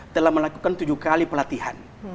telah melakukan tujuh kali pelatihan